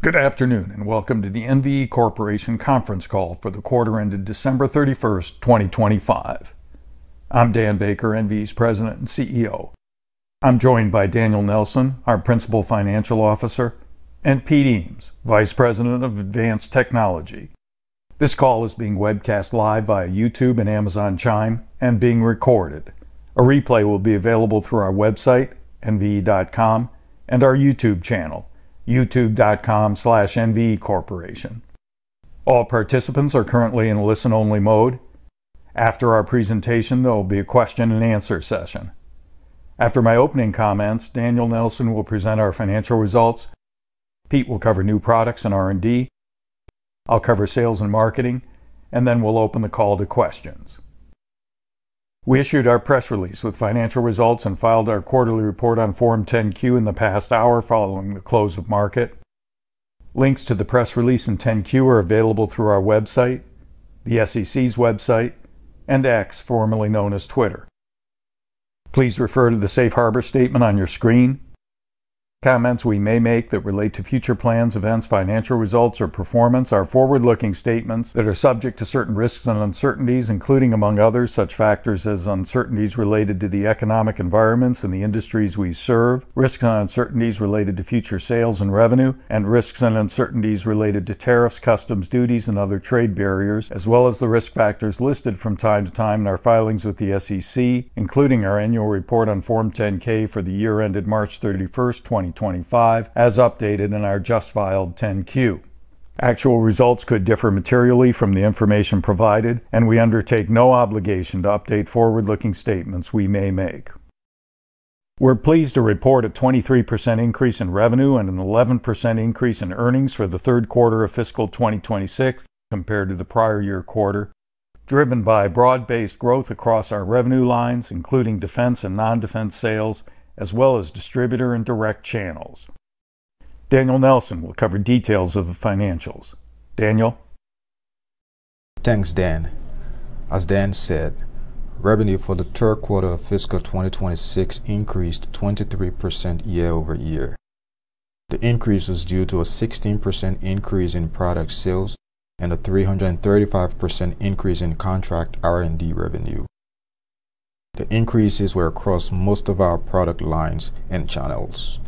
Good afternoon and welcome to the NVE Corporation Conference Call for the quarter-ended December 31st, 2025. I'm Dan Baker, NVE's President and CEO. I'm joined by Daniel Nelson, our Principal Financial Officer, and Pete Eames, Vice President of Advanced Technology. This call is being webcast live via YouTube and Amazon Chime and being recorded. A replay will be available through our website, nve.com, and our YouTube channel, youtube.com/nvecorporation. All participants are currently in listen-only mode. After our presentation, there will be a question-and-answer session. After my opening comments, Daniel Nelson will present our financial results. Pete will cover new products and R&D. I'll cover sales and marketing, and then we'll open the call to questions. We issued our press release with financial results and filed our quarterly report on Form 10-Q in the past hour following the close of market. Links to the press release and 10-Q are available through our website, the SEC's website, and X, formerly known as Twitter. Please refer to the safe harbor statement on your screen. Comments we may make that relate to future plans, events, financial results, or performance are forward-looking statements that are subject to certain risks and uncertainties, including, among others, such factors as uncertainties related to the economic environments and the industries we serve, risks and uncertainties related to future sales and revenue, and risks and uncertainties related to tariffs, customs, duties, and other trade barriers, as well as the risk factors listed from time to time in our filings with the SEC, including our annual report on Form 10-K for the year ended March 31st, 2025, as updated in our just filed 10-Q. Actual results could differ materially from the information provided, and we undertake no obligation to update forward-looking statements we may make. We're pleased to report a 23% increase in revenue and an 11% increase in earnings for the third quarter of fiscal 2026 compared to the prior year quarter, driven by broad-based growth across our revenue lines, including defense and non-defense sales, as well as distributor and direct channels. Daniel Nelson will cover details of the financials. Daniel. Thanks, Dan. As Dan said, revenue for the third quarter of fiscal 2026 increased 23% year over year. The increase was due to a 16% increase in product sales and a 335% increase in contract R&D revenue. The increases were across most of our product lines and channels.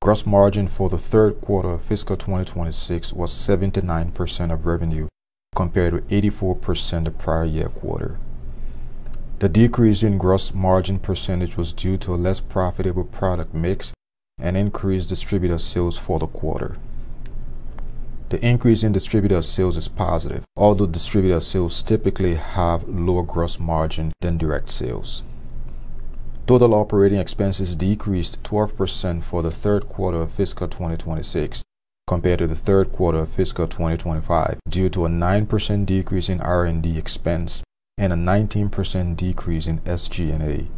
Gross margin for the third quarter of fiscal 2026 was 79% of revenue compared with 84% the prior year quarter. The decrease in gross margin percentage was due to a less profitable product mix and increased distributor sales for the quarter. The increase in distributor sales is positive, although distributor sales typically have lower gross margin than direct sales. Total operating expenses decreased 12% for the third quarter of fiscal 2026 compared to the third quarter of fiscal 2025 due to a 9% decrease in R&D expense and a 19% decrease in SG&A.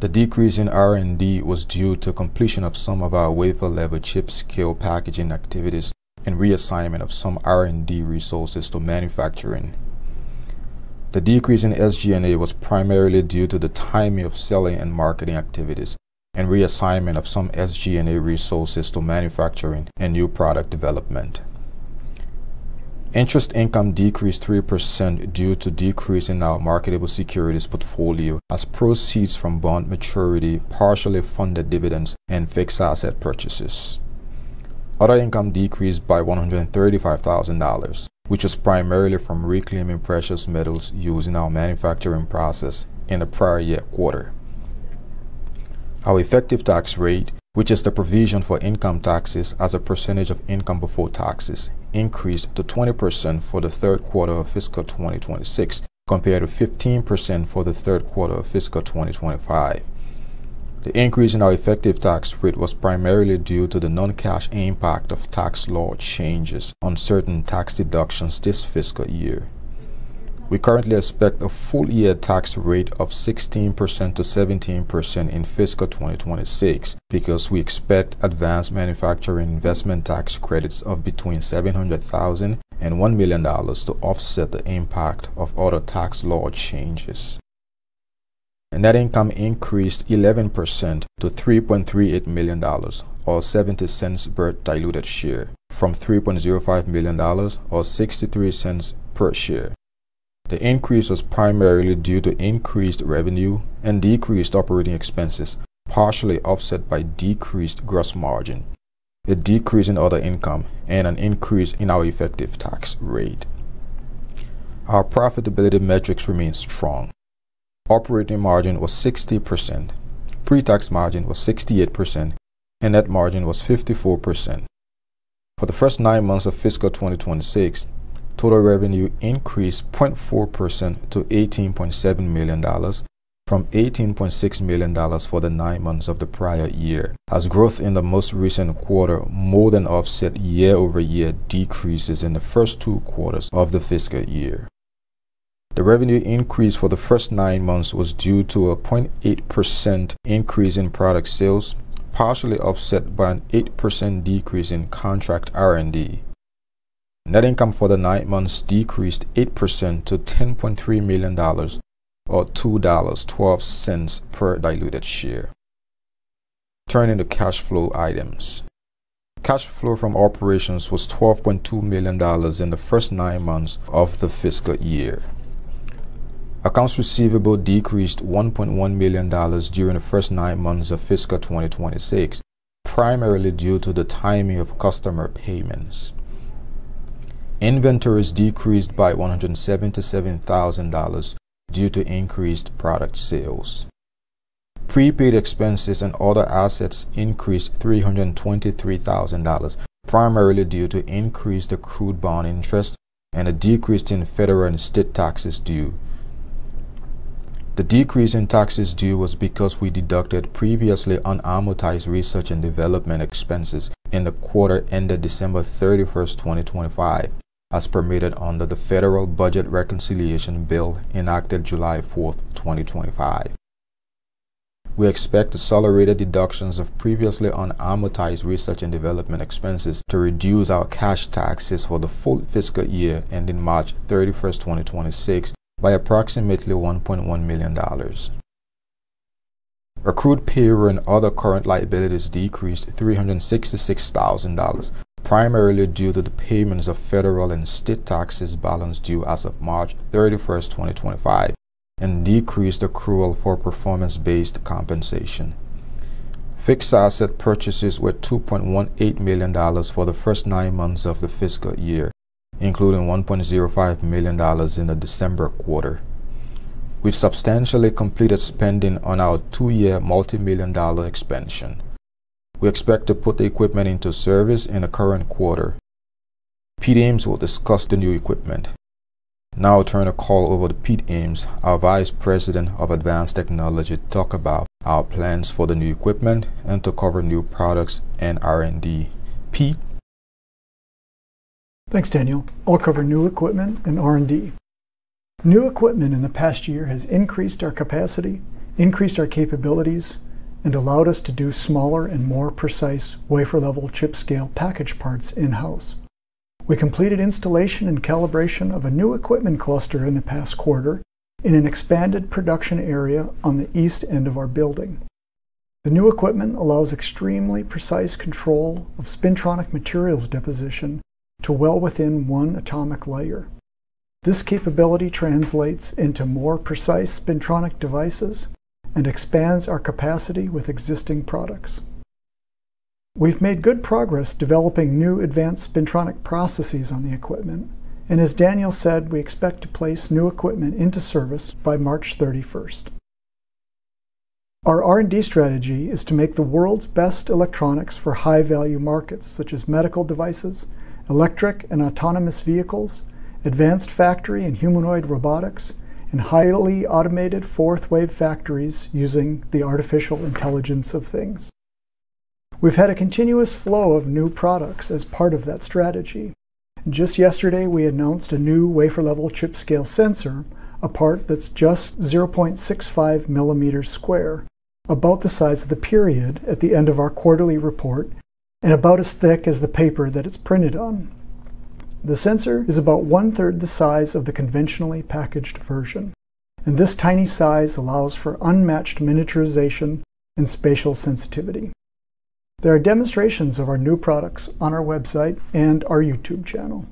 The decrease in R&D was due to completion of some of our wafer level chip scale packaging activities and reassignment of some R&D resources to manufacturing. The decrease in SG&A was primarily due to the timing of selling and marketing activities and reassignment of some SG&A resources to manufacturing and new product development. Interest income decreased 3% due to decrease in our marketable securities portfolio as proceeds from bond maturity, partially funded dividends, and fixed asset purchases. Other income decreased by $135,000, which is primarily from reclaiming precious metals used in our manufacturing process in the prior year quarter. Our effective tax rate, which is the provision for income taxes as a percentage of income before taxes, increased to 20% for the third quarter of fiscal 2026 compared with 15% for the third quarter of fiscal 2025. The increase in our effective tax rate was primarily due to the non-cash impact of tax law changes on certain tax deductions this fiscal year. We currently expect a full year tax rate of 16%-17% in fiscal 2026 because we expect advanced manufacturing investment tax credits of between $700,000 and $1 million to offset the impact of other tax law changes. Net income increased 11% to $3.38 million or $0.70 per diluted share from $3.05 million or $0.63 per share. The increase was primarily due to increased revenue and decreased operating expenses, partially offset by decreased gross margin, a decrease in other income, and an increase in our effective tax rate. Our profitability metrics remain strong. Operating margin was 60%, pre-tax margin was 68%, and net margin was 54%. For the first nine months of fiscal 2026, total revenue increased 0.4% to $18.7 million from $18.6 million for the nine months of the prior year, as growth in the most recent quarter more than offset year-over-year decreases in the first two quarters of the fiscal year. The revenue increase for the first nine months was due to a 0.8% increase in product sales, partially offset by an 8% decrease in contract R&D. Net income for the nine months decreased 8% to $10.3 million or $2.12 per diluted share. Turning to cash flow items. Cash flow from operations was $12.2 million in the first nine months of the fiscal year. Accounts receivable decreased $1.1 million during the first nine months of fiscal 2026, primarily due to the timing of customer payments. Inventories decreased by $177,000 due to increased product sales. Prepaid expenses and other assets increased $323,000, primarily due to increased accrued bond interest and a decrease in federal and state taxes due. The decrease in taxes due was because we deducted previously unamortized research and development expenses in the quarter ended December 31st, 2025, as permitted under the Federal Budget Reconciliation Bill enacted July 4th, 2025. We expect accelerated deductions of previously unamortized research and development expenses to reduce our cash taxes for the full fiscal year ending March 31st, 2026, by approximately $1.1 million. Accrued payroll and other current liabilities decreased $366,000, primarily due to the payments of federal and state taxes balances due as of March 31st, 2025, and decreased accrual for performance-based compensation. Fixed asset purchases were $2.18 million for the first nine months of the fiscal year, including $1.05 million in the December quarter. We've substantially completed spending on our two-year multimillion-dollar expansion. We expect to put the equipment into service in the current quarter. Peter Eames will discuss the new equipment. Now I'll turn the call over to Peter Eames, our Vice President of Advanced Technology, to talk about our plans for the new equipment and to cover new products and R&D. Peter. Thanks, Daniel. I'll cover new equipment and R&D. New equipment in the past year has increased our capacity, increased our capabilities, and allowed us to do smaller and more precise wafer-level chip scale package parts in-house. We completed installation and calibration of a new equipment cluster in the past quarter in an expanded production area on the east end of our building. The new equipment allows extremely precise control of spintronic materials deposition to well within one atomic layer. This capability translates into more precise spintronic devices and expands our capacity with existing products. We've made good progress developing new advanced spintronic processes on the equipment, and as Daniel said, we expect to place new equipment into service by March 31st. Our R&D strategy is to make the world's best electronics for high-value markets such as medical devices, electric and autonomous vehicles, advanced factory and humanoid robotics, and highly automated fourth-wave factories using the Artificial Intelligence of Things. We've had a continuous flow of new products as part of that strategy. Just yesterday, we announced a new wafer-level chip scale sensor, a part that's just 0.65 millimeters square, about the size of the period at the end of our quarterly report and about as thick as the paper that it's printed on. The sensor is about one-third the size of the conventionally packaged version, and this tiny size allows for unmatched miniaturization and spatial sensitivity. There are demonstrations of our new products on our website and our YouTube channel.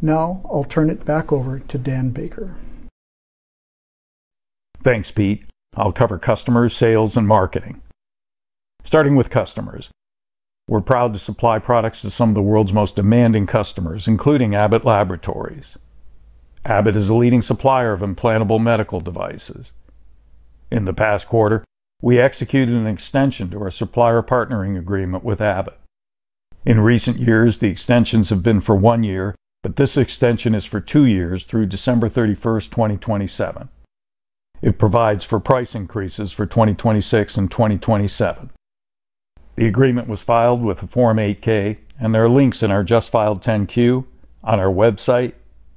Now I'll turn it back over to Dan Baker. Thanks, Pete. I'll cover customers, sales, and marketing. Starting with customers, we're proud to supply products to some of the world's most demanding customers, including Abbott Laboratories. Abbott is a leading supplier of implantable medical devices. In the past quarter, we executed an extension to our supplier partnering agreement with Abbott. In recent years, the extensions have been for one year, but this extension is for two years through December 31st, 2027. It provides for price increases for 2026 and 2027. The agreement was filed with Form 8-K, and there are links in our just filed 10-Q, on our website,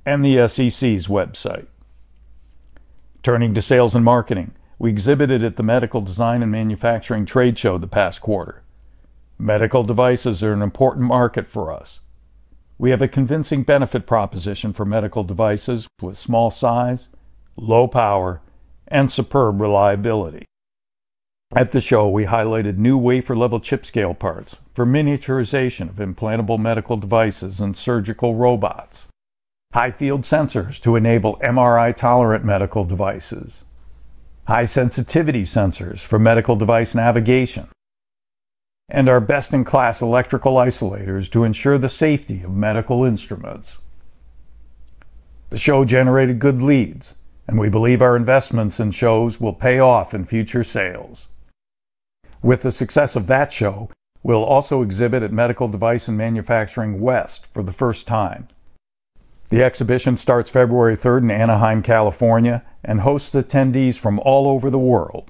and the SEC's website. Turning to sales and marketing, we exhibited at the Medical Design and Manufacturing Trade Show the past quarter. Medical devices are an important market for us. We have a convincing benefit proposition for medical devices with small size, low power, and superb reliability. At the show, we highlighted new wafer-level chip scale parts for miniaturization of implantable medical devices and surgical robots, high-field sensors to enable MRI-tolerant medical devices, high-sensitivity sensors for medical device navigation, and our best-in-class electrical isolators to ensure the safety of medical instruments. The show generated good leads, and we believe our investments in shows will pay off in future sales. With the success of that show, we'll also exhibit at Medical Design and Manufacturing West for the first time. The exhibition starts February 3rd in Anaheim, California, and hosts attendees from all over the world.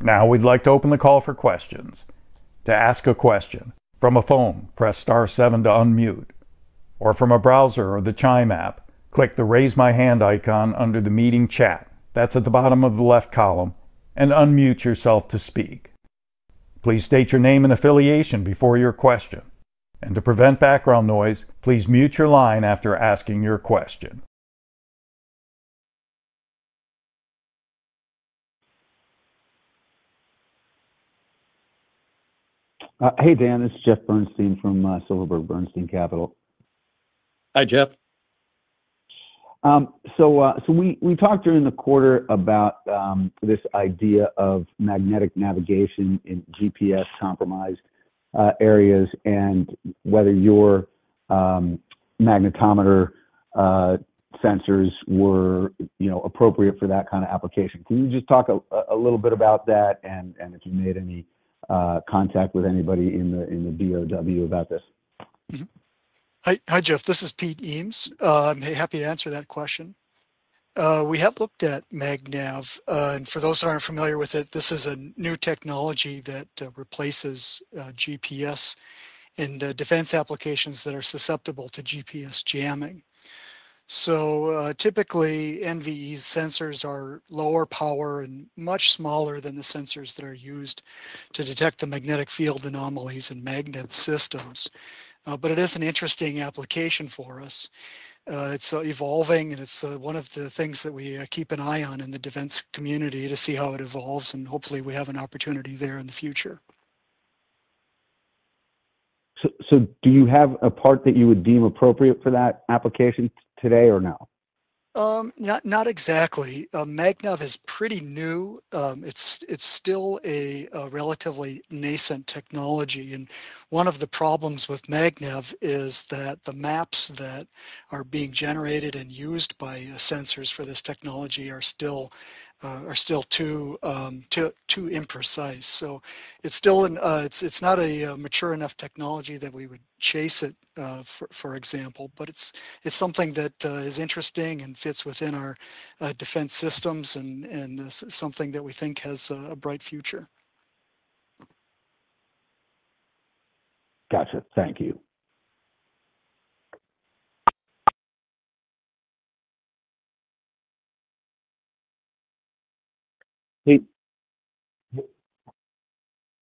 Now we'd like to open the call for questions. To ask a question from a phone, press star seven to unmute, or from a browser or the Chime app, click the raise my hand icon under the meeting chat. That's at the bottom of the left column, and unmute yourself to speak. Please state your name and affiliation before your question, and to prevent background noise, please mute your line after asking your question. Hey, Dan, it's Jeff Bernstein from Silverberg Bernstein Capital. Hi, Jeff. So we talked during the quarter about this idea of magnetic navigation in GPS-compromised areas and whether your magnetometer sensors were appropriate for that kind of application. Can you just talk a little bit about that and if you made any contact with anybody in the DoD about this? Hi, Jeff. This is Pete Eames. I'm happy to answer that question. We have looked at MagNav, and for those who aren't familiar with it, this is a new technology that replaces GPS in defense applications that are susceptible to GPS jamming. So typically, NVE sensors are lower power and much smaller than the sensors that are used to detect the magnetic field anomalies in magnet systems, but it is an interesting application for us. It's evolving, and it's one of the things that we keep an eye on in the defense community to see how it evolves, and hopefully, we have an opportunity there in the future. So do you have a part that you would deem appropriate for that application today or no? Not exactly. MagNav is pretty new. It's still a relatively nascent technology, and one of the problems with MagNav is that the maps that are being generated and used by sensors for this technology are still too imprecise. So it's not a mature enough technology that we would chase it, for example, but it's something that is interesting and fits within our defense systems and something that we think has a bright future. Gotcha. Thank you.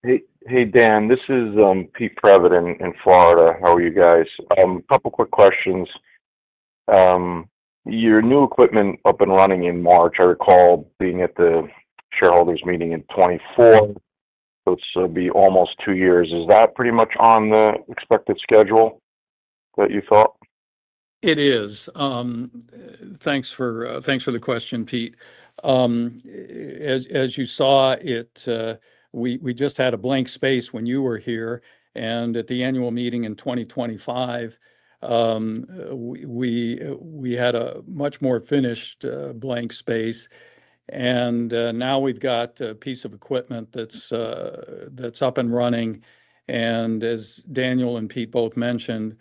Hey. Hey, Dan. This is Pete Prevett in Florida. How are you guys? A couple of quick questions. Your new equipment up and running in March, I recall being at the shareholders meeting in 2024, so it'll be almost two years. Is that pretty much on the expected schedule that you thought? It is. Thanks for the question, Pete. As you saw, we just had a blank space when you were here, and at the annual meeting in 2025, we had a much more finished blank space, and now we've got a piece of equipment that's up and running, and as Daniel and Pete both mentioned,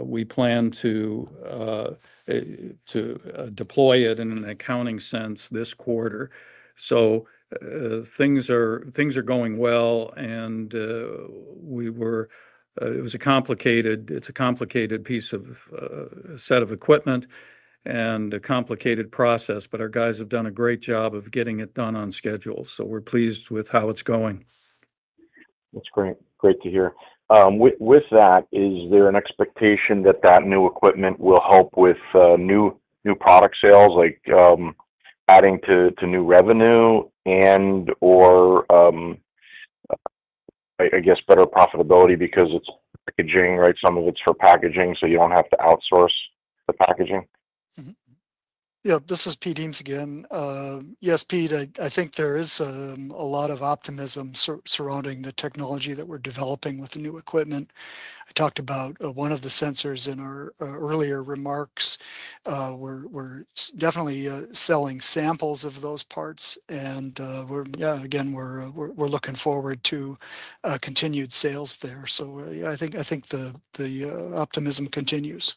we plan to deploy it in an accounting sense this quarter, so things are going well, and it was a complicated piece of a set of equipment and a complicated process, but our guys have done a great job of getting it done on schedule, so we're pleased with how it's going. That's great. Great to hear. With that, is there an expectation that that new equipment will help with new product sales, like adding to new revenue and/or, I guess, better profitability because it's packaging, right? Some of it's for packaging, so you don't have to outsource the packaging? Yeah. This is Pete Eames again. Yes, Pete, I think there is a lot of optimism surrounding the technology that we're developing with the new equipment. I talked about one of the sensors in our earlier remarks. We're definitely selling samples of those parts, and again, we're looking forward to continued sales there. So I think the optimism continues.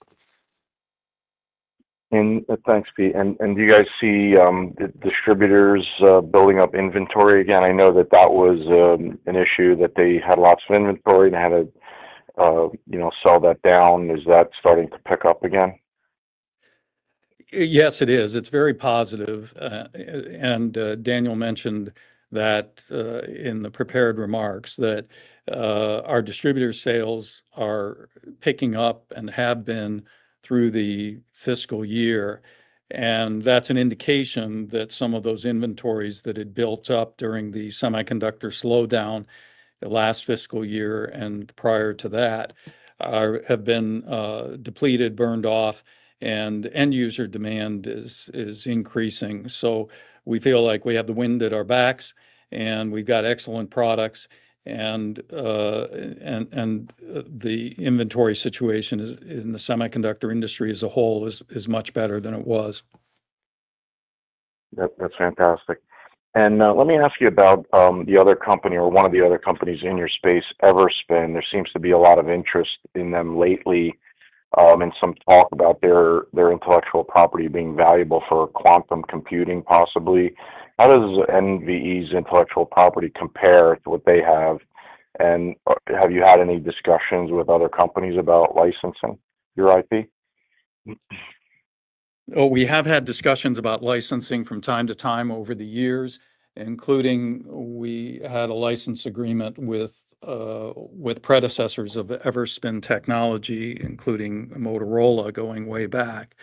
Thanks, Pete. Do you guys see distributors building up inventory again? I know that that was an issue that they had lots of inventory and had to sell that down. Is that starting to pick up again? Yes, it is. It's very positive, and Daniel mentioned that in the prepared remarks that our distributor sales are picking up and have been through the fiscal year, and that's an indication that some of those inventories that had built up during the semiconductor slowdown the last fiscal year and prior to that have been depleted, burned off, and end-user demand is increasing, so we feel like we have the wind at our backs, and we've got excellent products, and the inventory situation in the semiconductor industry as a whole is much better than it was. That's fantastic, and let me ask you about the other company or one of the other companies in your space, Everspin. There seems to be a lot of interest in them lately and some talk about their intellectual property being valuable for quantum computing, possibly. How does NVE's intellectual property compare to what they have, and have you had any discussions with other companies about licensing your IP? Oh, we have had discussions about licensing from time to time over the years, including we had a license agreement with predecessors of Everspin Technologies, including Motorola, going way back.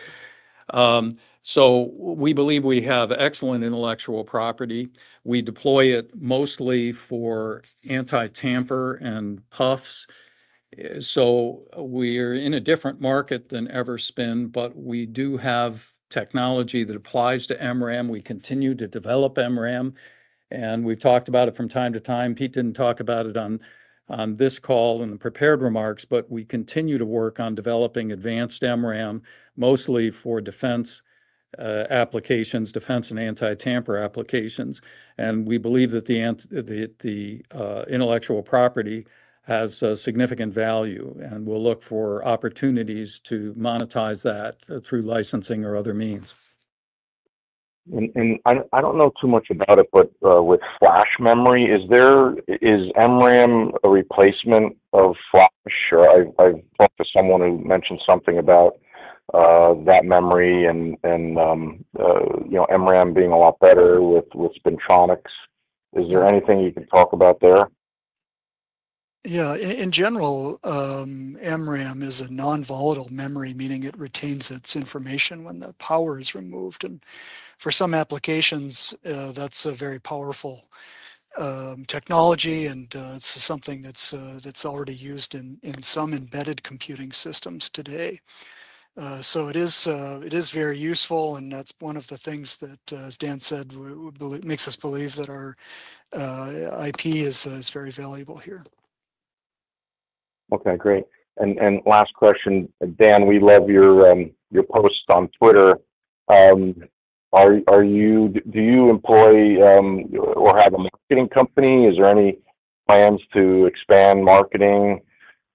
So we believe we have excellent intellectual property. We deploy it mostly for anti-tamper and PUFs. So we are in a different market than Everspin, but we do have technology that applies to MRAM. We continue to develop MRAM, and we've talked about it from time to time. Pete didn't talk about it on this call in the prepared remarks, but we continue to work on developing advanced MRAM, mostly for defense applications, defense and anti-tamper applications. And we believe that the intellectual property has significant value, and we'll look for opportunities to monetize that through licensing or other means. And I don't know too much about it, but with flash memory, is MRAM a replacement of flash? I've talked to someone who mentioned something about that memory and MRAM being a lot better with spintronics. Is there anything you could talk about there? Yeah. In general, MRAM is a non-volatile memory, meaning it retains its information when the power is removed. And for some applications, that's a very powerful technology, and it's something that's already used in some embedded computing systems today. So it is very useful, and that's one of the things that, as Dan said, makes us believe that our IP is very valuable here. Okay. Great. And last question, Dan, we love your posts on Twitter. Do you employ or have a marketing company? Is there any plans to expand marketing?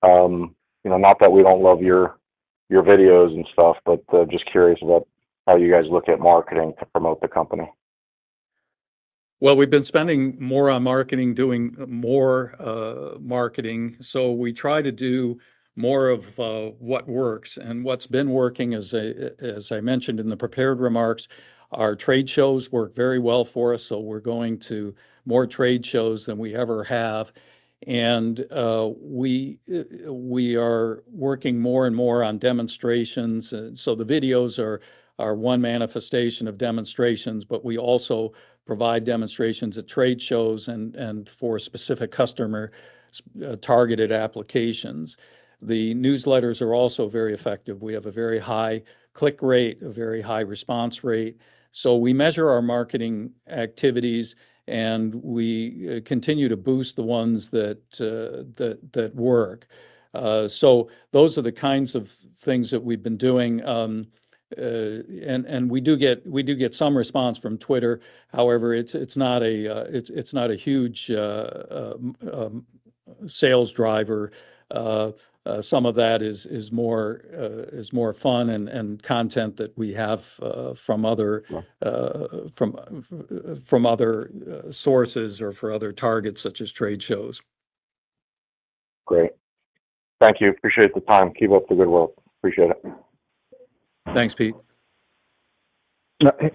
Not that we don't love your videos and stuff, but just curious about how you guys look at marketing to promote the company. We've been spending more on marketing, doing more marketing. So we try to do more of what works. And what's been working, as I mentioned in the prepared remarks, our trade shows work very well for us, so we're going to more trade shows than we ever have. And we are working more and more on demonstrations. So the videos are one manifestation of demonstrations, but we also provide demonstrations at trade shows and for specific customer-targeted applications. The newsletters are also very effective. We have a very high click rate, a very high response rate. So we measure our marketing activities, and we continue to boost the ones that work. So those are the kinds of things that we've been doing. And we do get some response from Twitter. However, it's not a huge sales driver. Some of that is more fun and content that we have from other sources or for other targets, such as trade shows. Great. Thank you. Appreciate the time. Keep up the good work. Appreciate it. Thanks, Pete.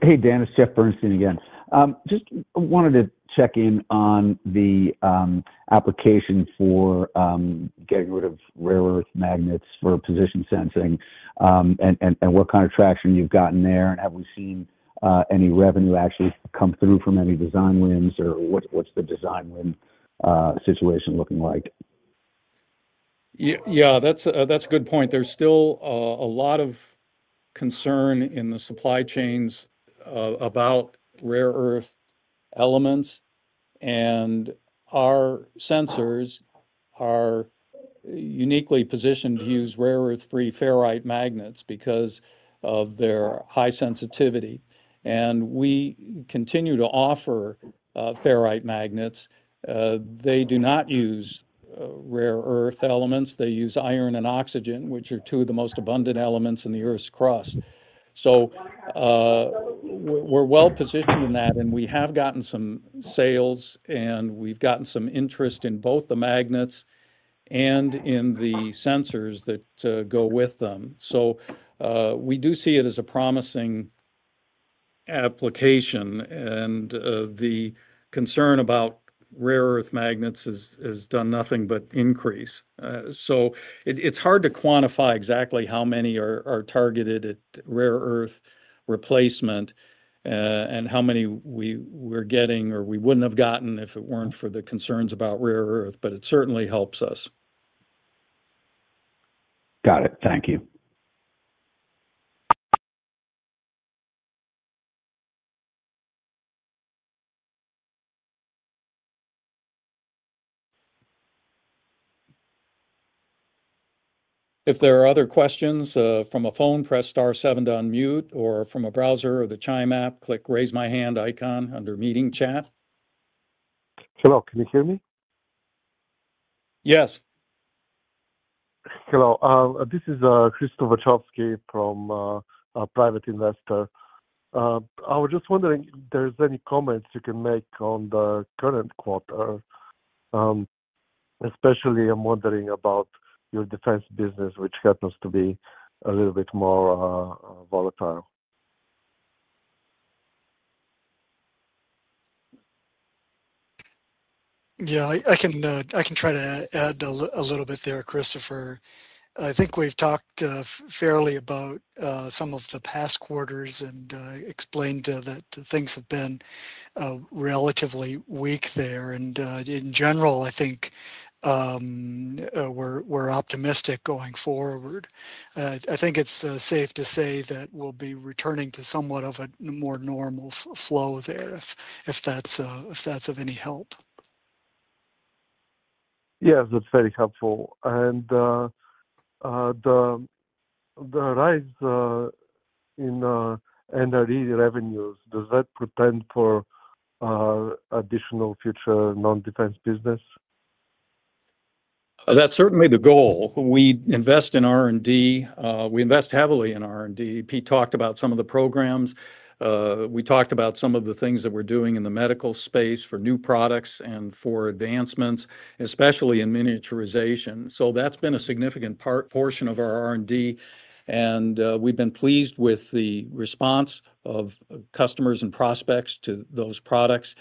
Hey, Dan, it's Jeff Bernstein again. Just wanted to check in on the application for getting rid of rare earth magnets for position sensing and what kind of traction you've gotten there. And have we seen any revenue actually come through from any design wins, or what's the design win situation looking like? Yeah, that's a good point. There's still a lot of concern in the supply chains about rare earth elements. And our sensors are uniquely positioned to use rare earth-free ferrite magnets because of their high sensitivity. And we continue to offer ferrite magnets. They do not use rare earth elements. They use iron and oxygen, which are two of the most abundant elements in the Earth's crust. So we're well positioned in that, and we have gotten some sales, and we've gotten some interest in both the magnets and in the sensors that go with them. So we do see it as a promising application, and the concern about rare earth magnets has done nothing but increase. It's hard to quantify exactly how many are targeted at rare earth replacement and how many we're getting or we wouldn't have gotten if it weren't for the concerns about rare earth, but it certainly helps us. Got it. Thank you. If there are other questions from a phone, press star seven to unmute, or from a browser or the Chime app, click raise my hand icon under meeting chat. Hello. Can you hear me? Yes. Hello. This is Christopher Chowsky from Private Investor. I was just wondering if there's any comments you can make on the current quarter, especially. I'm wondering about your defense business, which happens to be a little bit more volatile. Yeah. I can try to add a little bit there, Christopher. I think we've talked fairly about some of the past quarters and explained that things have been relatively weak there. And in general, I think we're optimistic going forward. I think it's safe to say that we'll be returning to somewhat of a more normal flow there if that's of any help. Yeah, that's very helpful. And the rise in NRE revenues, does that portend for additional future non-defense business? That's certainly the goal. We invest in R&D. We invest heavily in R&D. Pete talked about some of the programs. We talked about some of the things that we're doing in the medical space for new products and for advancements, especially in miniaturization. So that's been a significant portion of our R&D. And we've been pleased with the response of customers and prospects to those products.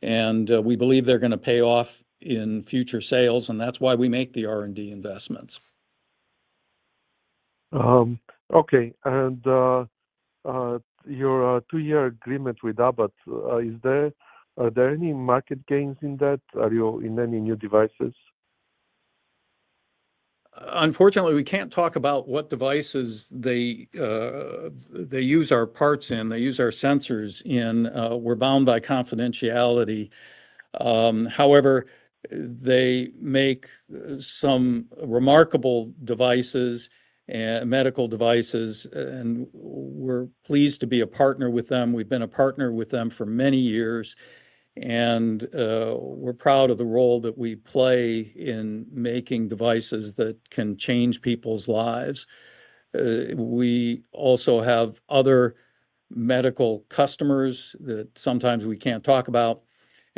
And we believe they're going to pay off in future sales, and that's why we make the R&D investments. Okay. And your two-year agreement with Abbott, are there any market gains in that? Are you in any new devices? Unfortunately, we can't talk about what devices they use our parts in. They use our sensors in. We're bound by confidentiality. However, they make some remarkable devices, medical devices, and we're pleased to be a partner with them. We've been a partner with them for many years, and we're proud of the role that we play in making devices that can change people's lives. We also have other medical customers that sometimes we can't talk about,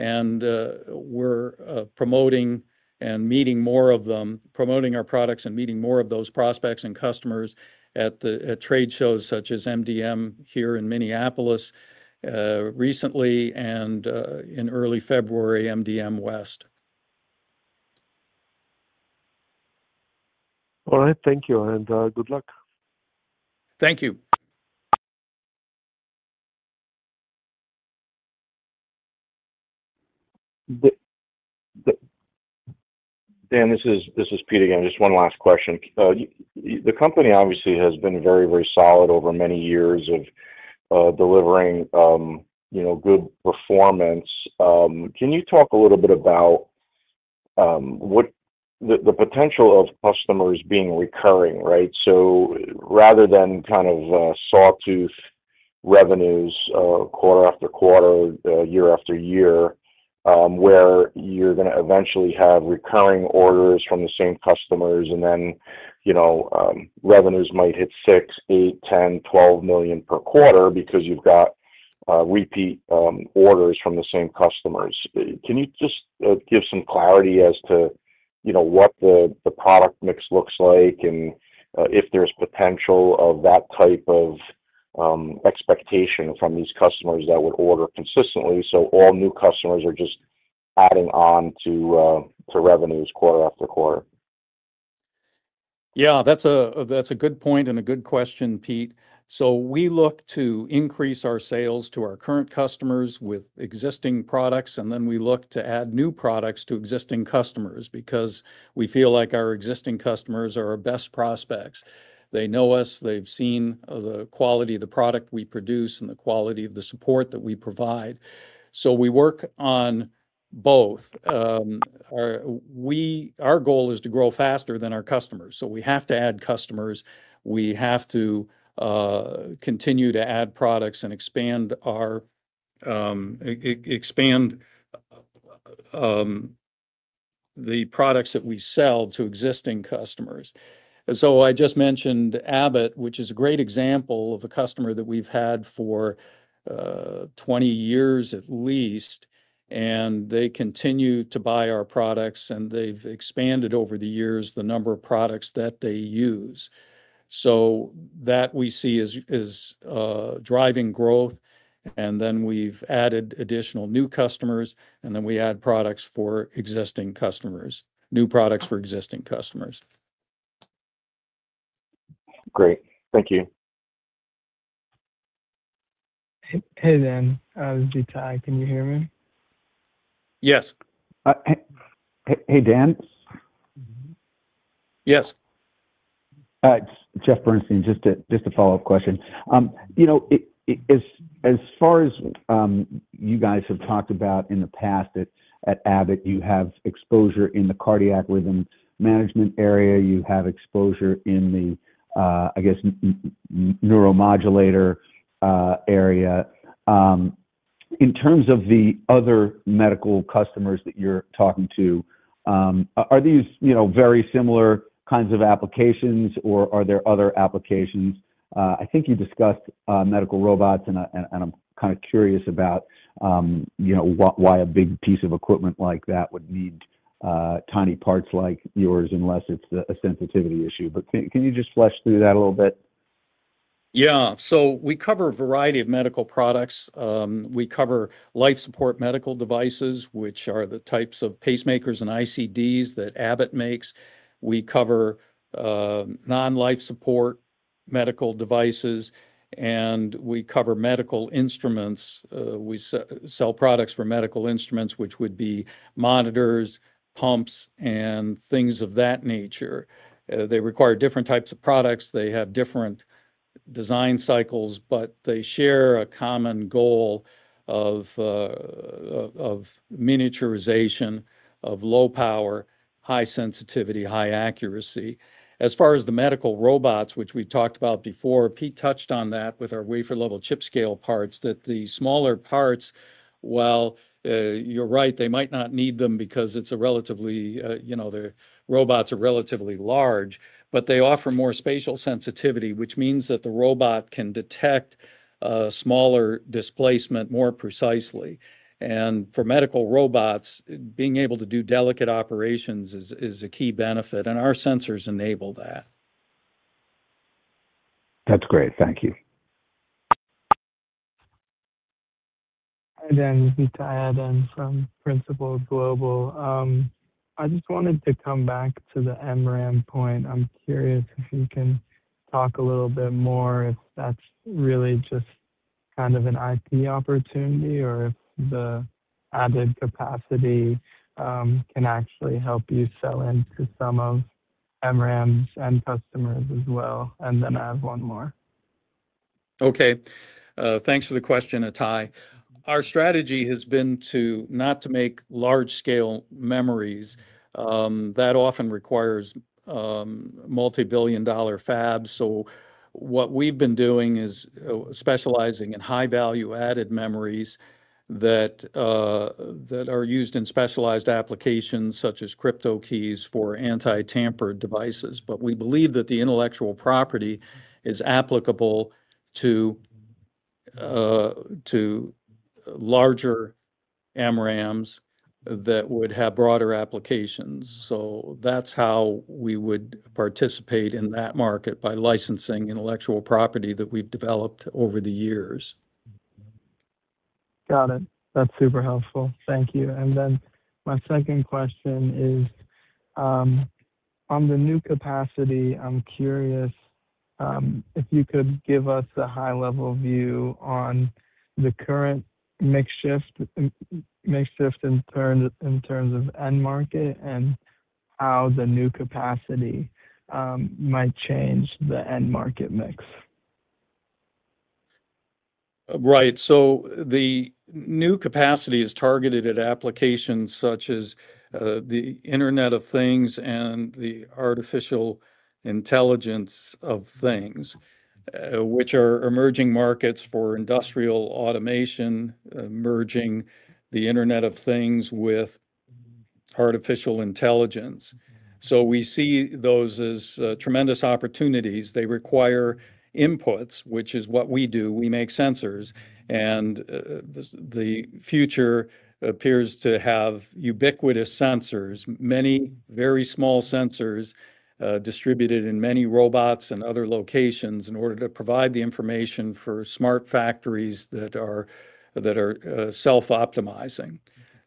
and we're promoting and meeting more of them, promoting our products and meeting more of those prospects and customers at trade shows such as MD&M here in Minneapolis recently and in early February, MD&M West. All right. Thank you and good luck. Thank you. Dan, this is Pete again. Just one last question. The company obviously has been very, very solid over many years of delivering good performance. Can you talk a little bit about the potential of customers being recurring, right? So rather than kind of sawtooth revenues quarter after quarter, year after year, where you're going to eventually have recurring orders from the same customers, and then revenues might hit $6 million, $8 million, $10 million, $12 million per quarter because you've got repeat orders from the same customers. Can you just give some clarity as to what the product mix looks like and if there's potential of that type of expectation from these customers that would order consistently? So all new customers are just adding on to revenues quarter after quarter. Yeah, that's a good point and a good question, Pete. So we look to increase our sales to our current customers with existing products, and then we look to add new products to existing customers because we feel like our existing customers are our best prospects. They know us. They've seen the quality of the product we produce and the quality of the support that we provide. So we work on both. Our goal is to grow faster than our customers. So we have to add customers. We have to continue to add products and expand the products that we sell to existing customers. So I just mentioned Abbott, which is a great example of a customer that we've had for 20 years at least, and they continue to buy our products, and they've expanded over the years the number of products that they use. So, that we see, is driving growth. And then we've added additional new customers, and then we add products for existing customers, new products for existing customers. Great. Thank you. Hey, Dan. This is Tai. Can you hear me? Yes. Hey, Dan. Yes. All right. Jeff Bernstein, just a follow-up question. As far as you guys have talked about in the past at Abbott, you have exposure in the cardiac rhythm management area. You have exposure in the, I guess, neuromodulator area. In terms of the other medical customers that you're talking to, are these very similar kinds of applications, or are there other applications? I think you discussed medical robots, and I'm kind of curious about why a big piece of equipment like that would need tiny parts like yours unless it's a sensitivity issue. But can you just flesh through that a little bit? Yeah. So we cover a variety of medical products. We cover life support medical devices, which are the types of pacemakers and ICDs that Abbott makes. We cover non-life support medical devices, and we cover medical instruments. We sell products for medical instruments, which would be monitors, pumps, and things of that nature. They require different types of products. They have different design cycles, but they share a common goal of miniaturization of low power, high sensitivity, high accuracy. As far as the medical robots, which we've talked about before, Pete touched on that with our wafer-level chip scale parts, that the smaller parts, well, you're right, they might not need them because it's relatively, the robots are relatively large, but they offer more spatial sensitivity, which means that the robot can detect smaller displacement more precisely. For medical robots, being able to do delicate operations is a key benefit, and our sensors enable that. That's great. Thank you. Hey, Dan. This is Tai Adesiona from Principal Global. I just wanted to come back to the MRAM point. I'm curious if you can talk a little bit more if that's really just kind of an IP opportunity or if the added capacity can actually help you sell into some of MRAM's end customers as well. And then I have one more. Okay. Thanks for the question, Tai. Our strategy has been not to make large-scale memories. That often requires multi-billion-dollar fabs. So what we've been doing is specializing in high-value-added memories that are used in specialized applications such as crypto keys for anti-tamper devices. But we believe that the intellectual property is applicable to larger MRAMs that would have broader applications. So that's how we would participate in that market by licensing intellectual property that we've developed over the years. Got it. That's super helpful. Thank you. And then my second question is, on the new capacity, I'm curious if you could give us a high-level view on the current mix shift in terms of end market and how the new capacity might change the end market mix. Right. So the new capacity is targeted at applications such as the Internet of Things and the Artificial Intelligence of Things, which are emerging markets for industrial automation, merging the Internet of Things with artificial intelligence. So we see those as tremendous opportunities. They require inputs, which is what we do. We make sensors. And the future appears to have ubiquitous sensors, many very small sensors distributed in many robots and other locations in order to provide the information for smart factories that are self-optimizing.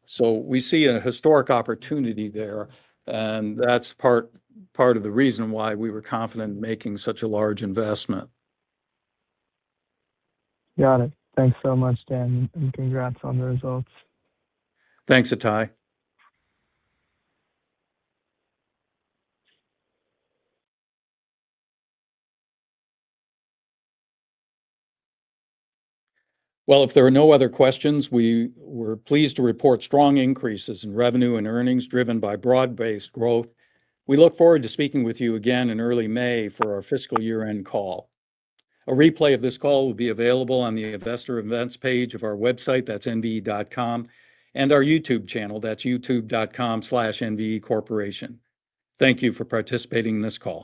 So we see a historic opportunity there, and that's part of the reason why we were confident in making such a large investment. Got it. Thanks so much, Dan, and congrats on the results. Thanks, Tai. Well, if there are no other questions, we were pleased to report strong increases in revenue and earnings driven by broad-based growth. We look forward to speaking with you again in early May for our fiscal year-end call. A replay of this call will be available on the Investor Events page of our website, that's nve.com, and our YouTube channel, that's youtube.com/nvecorporation. Thank you for participating in this call.